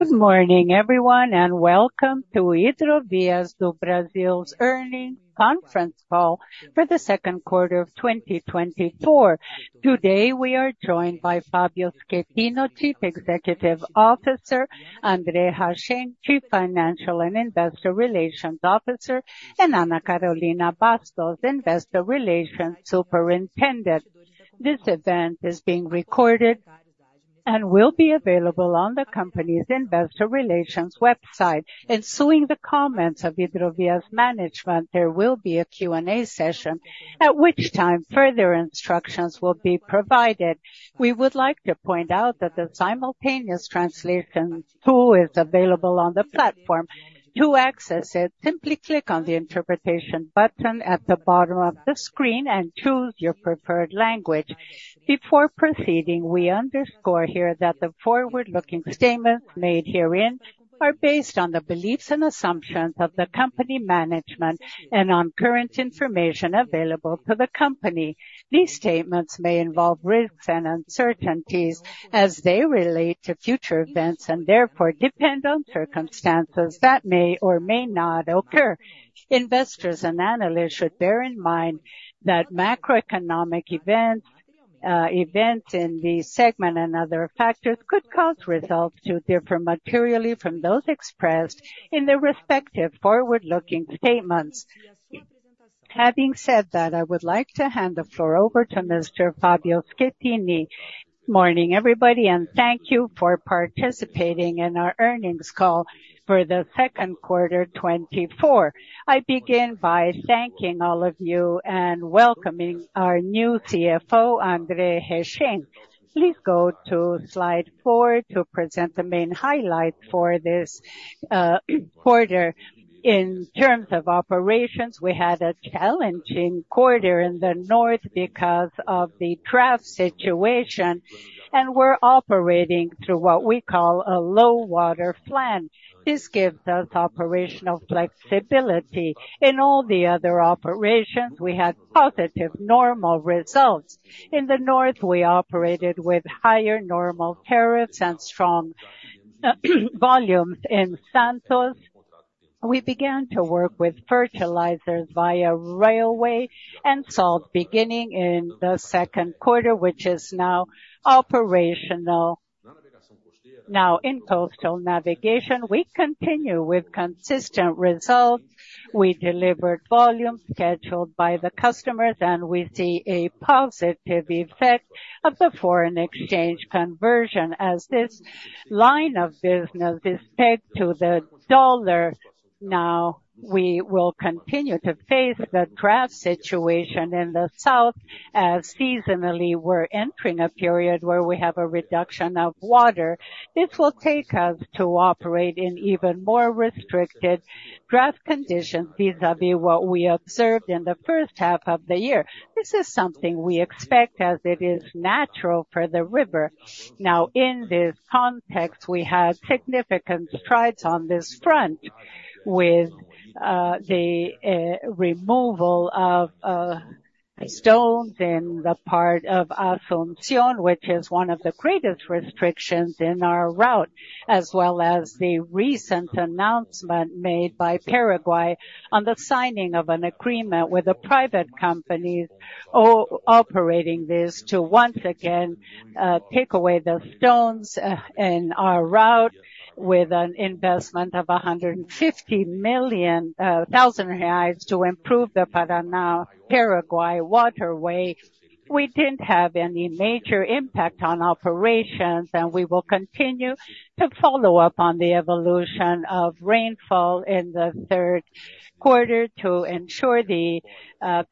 Good morning, everyone, and welcome to Hidrovias do Brasil's Earnings Conference Call for the second quarter of 2024. Today, we are joined by Fábio Schettino, Chief Executive Officer, André Hachem, Chief Financial and Investor Relations Officer, and Ana Carolina Bastos, Investor Relations Superintendent. This event is being recorded and will be available on the company's investor relations website. Following the comments of Hidrovia's management, there will be a Q&A session, at which time further instructions will be provided. We would like to point out that the simultaneous translation tool is available on the platform. To access it, simply click on the interpretation button at the bottom of the screen and choose your preferred language. Before proceeding, we underscore here that the forward-looking statements made herein are based on the beliefs and assumptions of the company management and on current information available to the company. These statements may involve risks and uncertainties as they relate to future events, and therefore depend on circumstances that may or may not occur. Investors and analysts should bear in mind that macroeconomic event, events in the segment and other factors could cause results to differ materially from those expressed in the respective forward-looking statements. Having said that, I would like to hand the floor over to Mr. Fábio Schettino. Morning, everybody, and thank you for participating in our earnings call for the second quarter, 2024. I begin by thanking all of you and welcoming our new CFO, André Hachem. Please go to slide 4 to present the main highlight for this quarter. In terms of operations, we had a challenging quarter in the north because of the draft situation, and we're operating through what we call a low water plan. This gives us operational flexibility. In all the other operations, we had positive, normal results. In the north, we operated with higher normal tariffs and strong volumes. In Santos, we began to work with fertilizers via railway and salt beginning in the second quarter, which is now operational. Now, in coastal navigation, we continue with consistent results. We delivered volumes scheduled by the customers, and we see a positive effect of the foreign exchange conversion as this line of business is pegged to the dollar. Now, we will continue to face the draft situation in the south, as seasonally, we're entering a period where we have a reduction of water. This will take us to operate in even more restricted draft conditions, vis-a-vis what we observed in the first half of the year. This is something we expect as it is natural for the river. Now, in this context, we had significant strides on this front with the removal of stones in the part of Asunción, which is one of the greatest restrictions in our route, as well as the recent announcement made by Paraguay on the signing of an agreement with the private companies operating this to once again take away the stones in our route, with an investment of 150 million to improve the Paraná-Paraguay waterway. We didn't have any major impact on operations, and we will continue to follow up on the evolution of rainfall in the third quarter to ensure the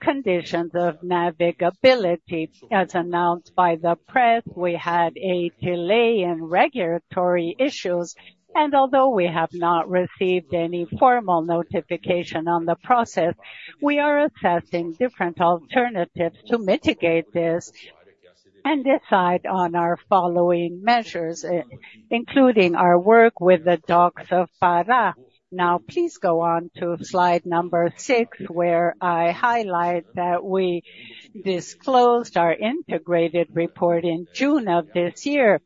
conditions of navigability. As announced by the press, we had a delay in regulatory issues, and although we have not received any formal notification on the process, we are assessing different alternatives to mitigate this and decide on our following measures, including our work with the Docas do Pará. Now, please go on to slide number 6, where I highlight that we disclosed our integrated report in June of this year.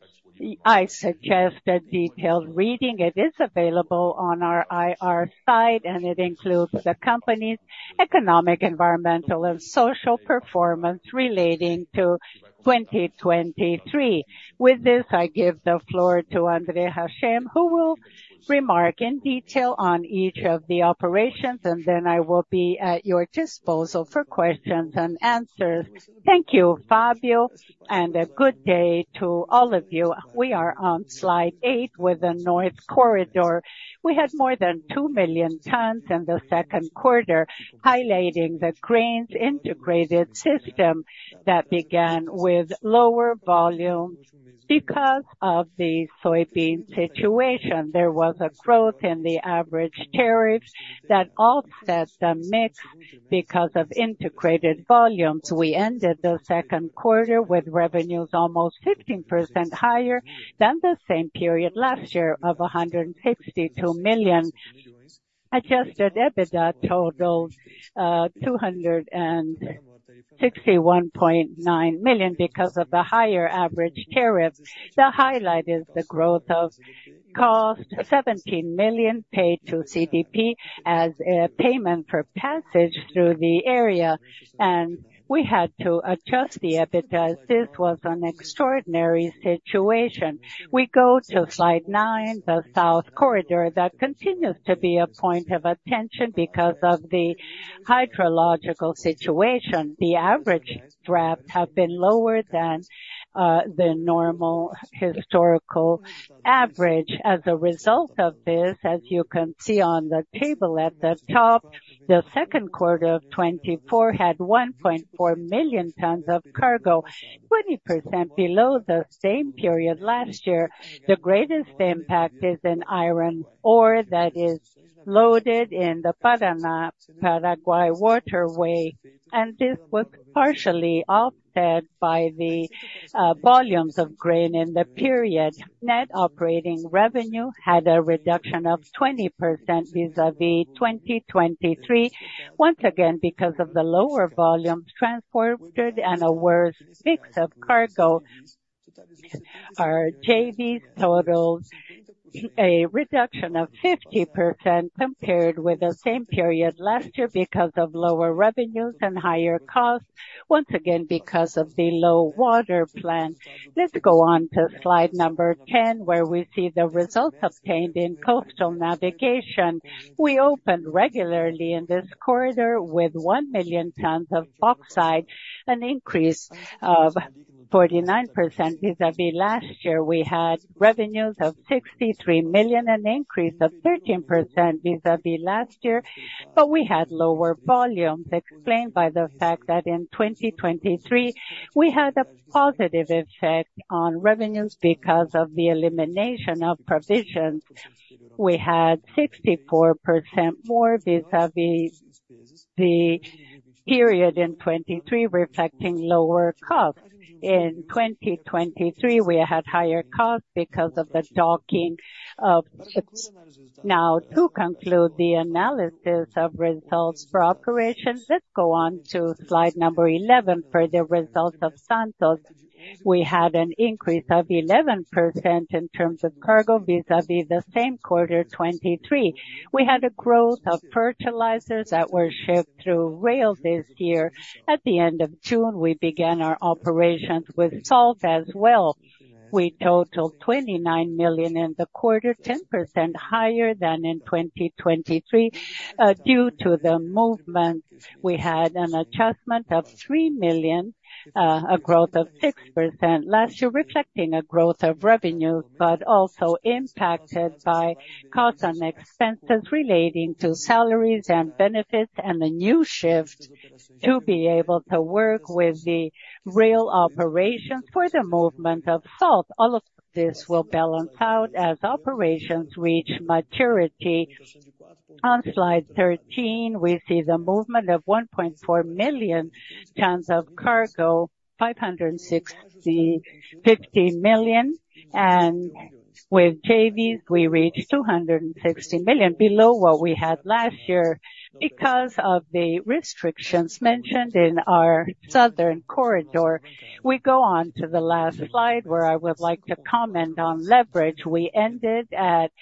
I suggest a detailed reading. It is available on our IR site, and it includes the company's economic, environmental, and social performance relating to 2023. With this, I give the floor to André Hachem, who will remark in detail on each of the operations, and then I will be at your disposal for questions and answers. Thank you, Fábio, and a good day to all of you. We are on slide 8 with the North Corridor. We had more than 2,000,000 tons in the second quarter, highlighting the grains integrated system that began with lower volume because of the soybean situation. There was a growth in the average tariffs that offset the mix because of integrated volumes. We ended the second quarter with revenues almost 15% higher than the same period last year of 162 million. Adjusted EBITDA totaled 261.9 million because of the higher average tariff. The highlight is the growth of cost, 17 million paid to CDP as a payment for passage through the area, and we had to adjust the EBITDA. This was an extraordinary situation. We go to slide 9, the South Corridor. That continues to be a point of attention because of the hydrological situation. The average draft have been lower than the normal historical average. As a result of this, as you can see on the table at the top, the second quarter of 2024 had 1.4 million tons of cargo, 20% below the same period last year. The greatest impact is in iron ore, that is loaded in the Paraná-Paraguay waterway, and this was partially offset by the volumes of grain in the period. Net operating revenue had a reduction of 20% vis-à-vis 2023. Once again, because of the lower volumes transported and a worse mix of cargo, our JVs totals a reduction of 50% compared with the same period last year because of lower revenues and higher costs, once again, because of the Low Water Plan. Let's go on to slide number 10, where we see the results obtained in coastal navigation. We opened regularly in this corridor with 1 million tons of bauxite, an increase of 49% vis-à-vis last year. We had revenues of 63 million, an increase of 13% vis-à-vis last year, but we had lower volumes, explained by the fact that in 2023, we had a positive effect on revenues because of the elimination of provisions. We had 64% more vis-à-vis the period in 2023, reflecting lower costs. In 2023, we had higher costs because of the docking of vessels. Now, to conclude the analysis of results for operations, let's go on to slide number 11 for the results of Santos. We had an increase of 11% in terms of cargo vis-à-vis the same quarter, 2023. We had a growth of fertilizers that were shipped through rail this year. At the end of June, we began our operations with salt as well. We totaled 29 million in the quarter, 10% higher than in 2023. Due to the movement, we had an adjustment of 3 million, a growth of 6% last year, reflecting a growth of revenues, but also impacted by costs and expenses relating to salaries and benefits, and a new shift to be able to work with the rail operations for the movement of salt. All of this will balance out as operations reach maturity. On slide 13, we see the movement of 1.4 million tons of cargo, 565 million, and with JVs, we reached 260 million, below what we had last year. Because of the restrictions mentioned in our South Corridor, we go on to the last slide, where I would like to comment on leverage. We ended at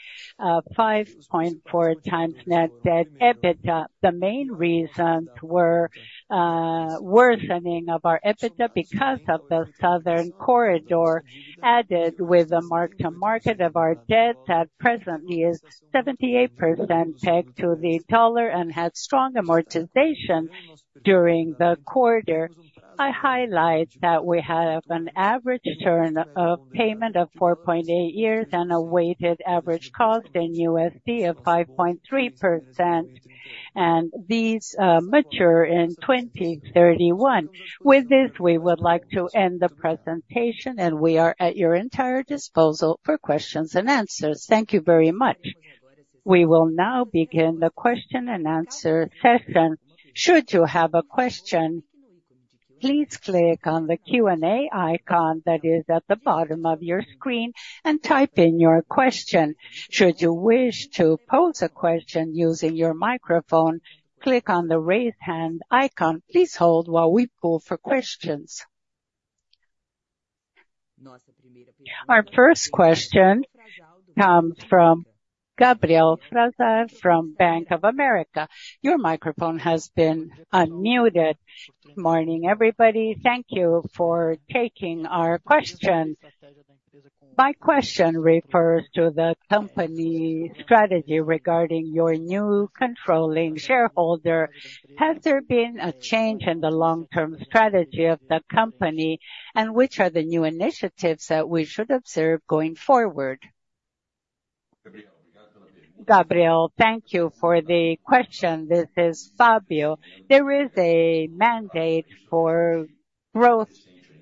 5.4 times net debt, EBITDA. The main reasons were worsening of our EBITDA because of the South Corridor, added with the mark to market of our debt, that presently is 78% pegged to the dollar and had strong amortization during the quarter. I highlight that we have an average term of payment of 4.8 years and a weighted average cost in USD of 5.3%, and these mature in 2031. With this, we would like to end the presentation, and we are at your entire disposal for questions and answers. Thank you very much. We will now begin the question and answer session. Should you have a question, please click on the Q&A icon that is at the bottom of your screen and type in your question. Should you wish to pose a question using your microphone, click on the raise hand icon. Please hold while we poll for questions. Our first question comes from Gabriel Frazão, from Bank of America. Your microphone has been unmuted. Morning, everybody. Thank you for taking our question. My question refers to the company's strategy regarding your new controlling shareholder. Has there been a change in the long-term strategy of the company? And which are the new initiatives that we should observe going forward? Gabriel, thank you for the question. This is Fábio. There is a mandate for growth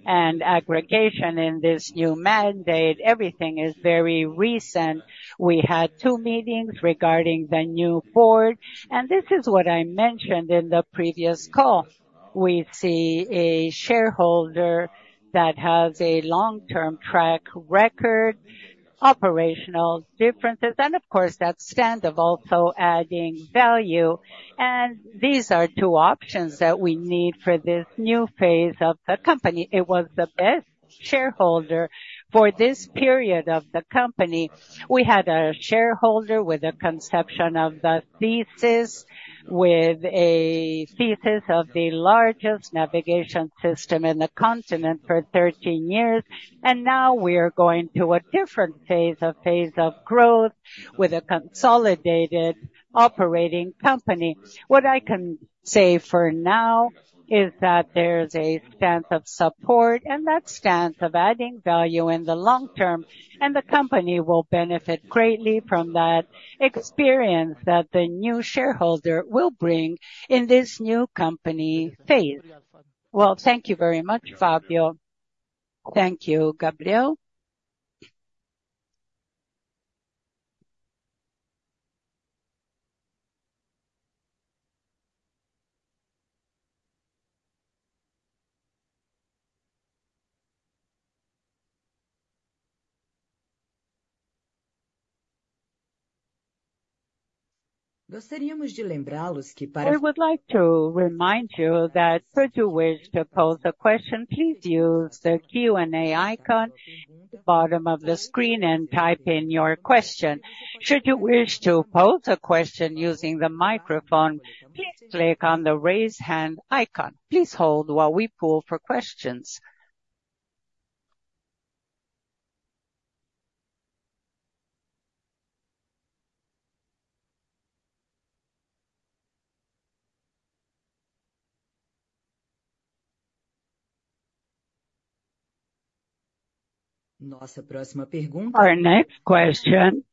and aggregation. In this new mandate, everything is very recent. We had two meetings regarding the new board, and this is what I mentioned in the previous call. We see a shareholder that has a long-term track record operational differences, and of course, that stance of also adding value. And these are two options that we need for this new phase of the company. It was the best shareholder for this period of the company. We had a shareholder with a conception of the thesis, with a thesis of the largest navigation system in the continent for 13 years, and now we are going to a different phase, a phase of growth with a consolidated operating company. What I can say for now is that there's a stance of support and that stance of adding value in the long term, and the company will benefit greatly from that experience that the new shareholder will bring in this new company phase. Well, thank you very much, Fábio. Thank you, Gabriel. We would like to remind you that should you wish to pose a question, please use the Q&A icon at the bottom of the screen and type in your question. Should you wish to pose a question using the microphone, please click on the Raise Hand icon. Please hold while we poll for questions. Our next question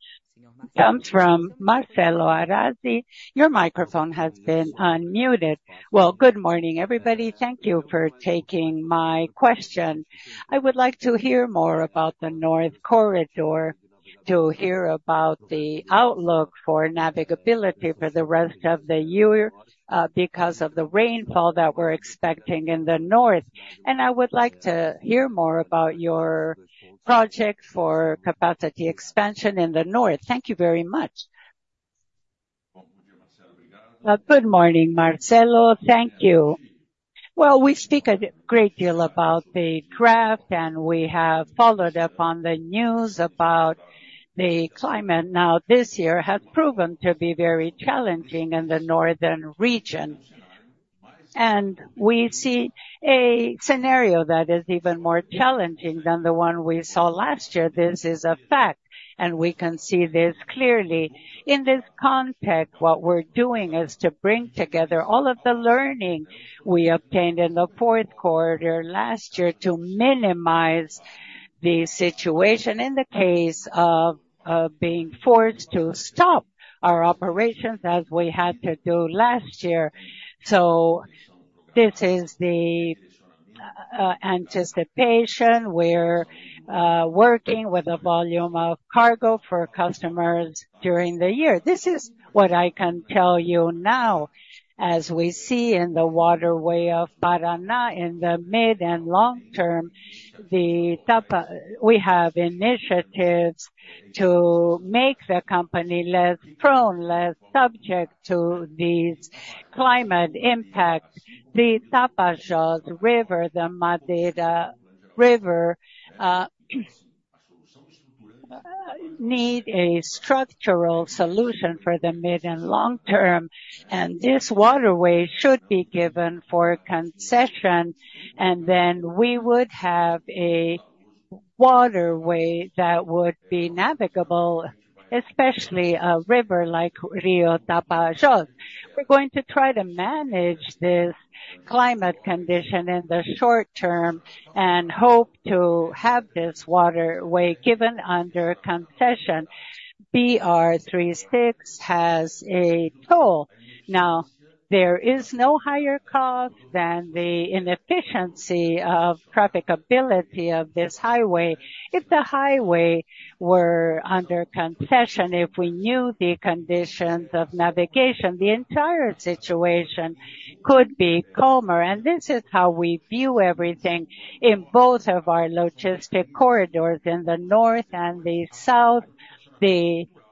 comes from Marcelo Arazi. Your microphone has been unmuted. Well, good morning, everybody. Thank you for taking my question. I would like to hear more about the North Corridor, to hear about the outlook for navigability for the rest of the year, because of the rainfall that we're expecting in the north. And I would like to hear more about your project for capacity expansion in the north. Thank you very much. Good morning, Marcelo. Thank you. Well, we speak a great deal about the draft, and we have followed up on the news about the climate. Now, this year has proven to be very challenging in the northern region, and we see a scenario that is even more challenging than the one we saw last year. This is a fact, and we can see this clearly. In this context, what we're doing is to bring together all of the learning we obtained in the fourth quarter last year to minimize the situation in the case of being forced to stop our operations as we had to do last year. So this is the anticipation. We're working with a volume of cargo for customers during the year. This is what I can tell you now, as we see in the waterway of Paraná, in the mid and long term, the Tapajós, we have initiatives to make the company less prone, less subject to these climate impacts. The Tapajós River, the Madeira River, need a structural solution for the mid and long term, and this waterway should be given for concession, and then we would have a waterway that would be navigable, especially a river like Rio Tapajós. We're going to try to manage this climate condition in the short term and hope to have this waterway given under concession. BR-163 has a toll. Now, there is no higher cost than the inefficiency of trafficability of this highway. If the highway were under concession, if we knew the conditions of navigation, the entire situation could be calmer, and this is how we view everything in both of our logistic corridors in the north and the south.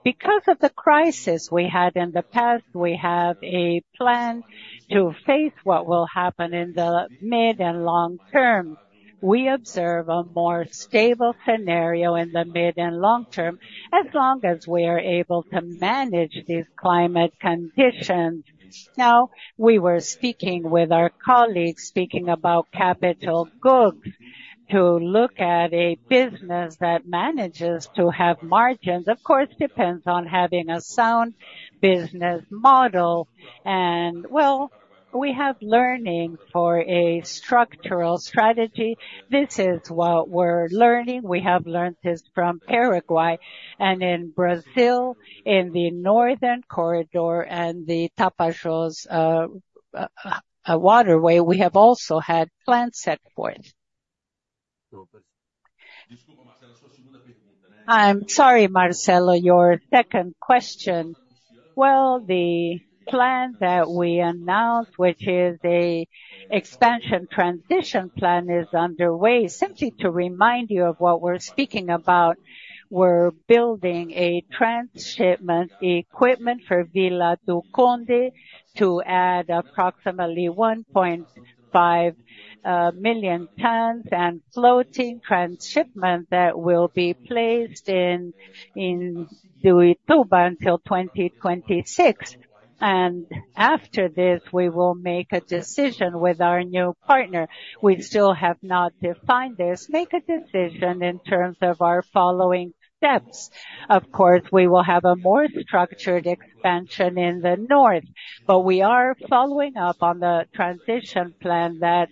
Because of the crisis we had in the past, we have a plan to face what will happen in the mid and long term. We observe a more stable scenario in the mid and long term, as long as we are able to manage these climate conditions. Now, we were speaking with our colleagues, speaking about capital goods, to look at a business that manages to have margins, of course, depends on having a sound business model. And, well, we have learning for a structural strategy. This is what we're learning. We have learned this from Paraguay and in Brazil, in the North Corridor and the Tapajós, waterway, we have also had plans set forth. I'm sorry, Marcelo, your second question?... Well, the plan that we announced, which is an expansion transition plan, is underway. Simply to remind you of what we're speaking about, we're building transshipment equipment for Vila do Conde to add approximately 1.5 million tons and floating transshipment that will be placed in Itaituba until 2026. And after this, we will make a decision with our new partner. We still have not defined this, make a decision in terms of our following steps. Of course, we will have a more structured expansion in the North, but we are following up on the transition plan that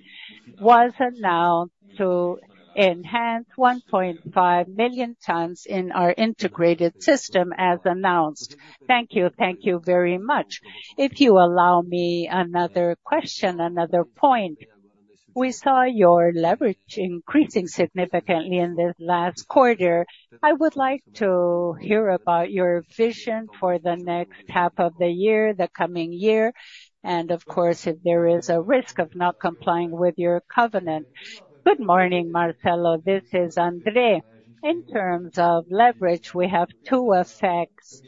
was announced to enhance 1.5 million tons in our integrated system, as announced. Thank you. Thank you very much. If you allow me another question, another point. We saw your leverage increasing significantly in this last quarter. I would like to hear about your vision for the next half of the year, the coming year, and of course, if there is a risk of not complying with your covenant. Good morning, Marcelo. This is André. In terms of leverage, we have two effects.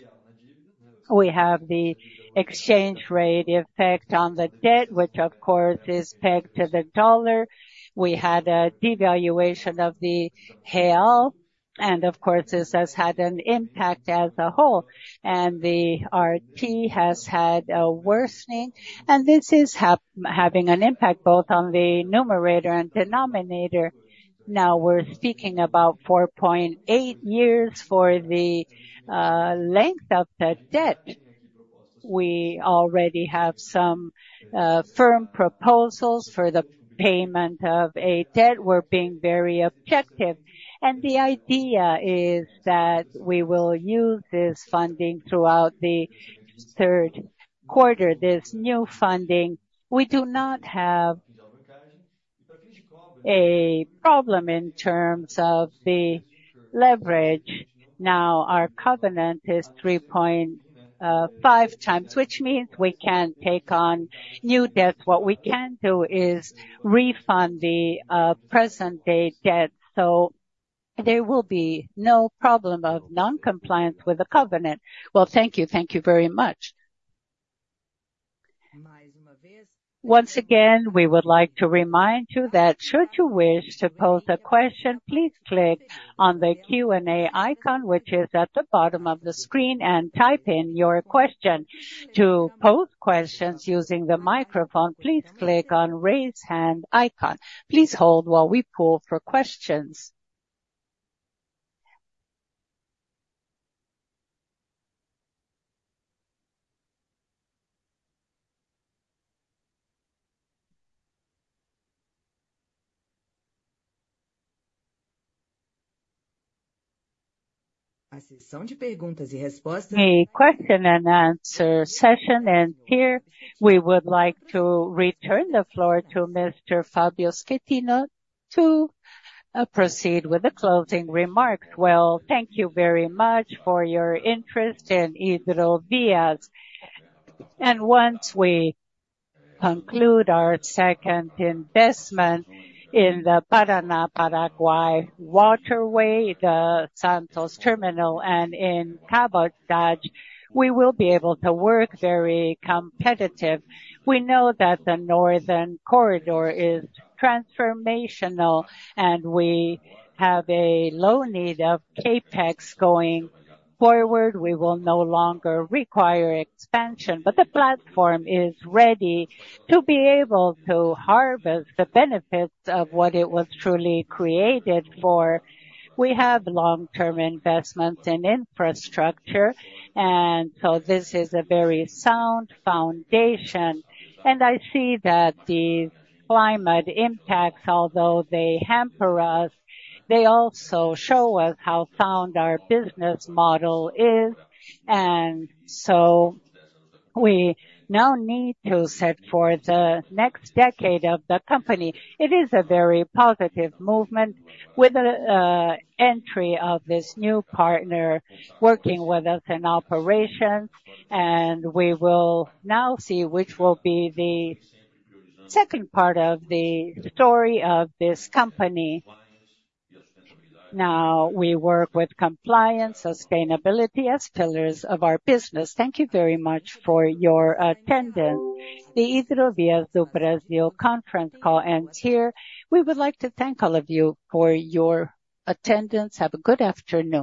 We have the exchange rate effect on the debt, which of course is pegged to the dollar. We had a devaluation of the real, and of course, this has had an impact as a whole, and the LTM has had a worsening, and this is having an impact both on the numerator and denominator. Now, we're speaking about 4.8 years for the length of the debt. We already have some firm proposals for the payment of a debt. We're being very objective, and the idea is that we will use this funding throughout the third quarter, this new funding. We do not have a problem in terms of the leverage. Now, our covenant is 3.5x, which means we can't take on new debt. What we can do is refund the present-day debt, so there will be no problem of non-compliance with the covenant. Well, thank you. Thank you very much. Once again, we would like to remind you that should you wish to pose a question, please click on the Q&A icon, which is at the bottom of the screen, and type in your question. To pose questions using the microphone, please click on Raise Hand icon. Please hold while we poll for questions. The question and answer session ends here. We would like to return the floor to Mr. Fábio Schettino to proceed with the closing remarks. Well, thank you very much for your interest in Hidrovias. And once we conclude our second investment in the Paraná-Paraguay waterway, the Santos terminal, and in cabotage, we will be able to work very competitive. We know that the northern corridor is transformational, and we have a low need of CapEx. Going forward, we will no longer require expansion, but the platform is ready to be able to harvest the benefits of what it was truly created for. We have long-term investments in infrastructure, and so this is a very sound foundation, and I see that the climate impacts, although they hamper us, they also show us how sound our business model is, and so we now need to set for the next decade of the company. It is a very positive movement with the entry of this new partner working with us in operation, and we will now see which will be the second part of the story of this company. Now, we work with compliance, sustainability as pillars of our business. Thank you very much for your attendance. The Hidrovias do Brasil conference call ends here. We would like to thank all of you for your attendance. Have a good afternoon.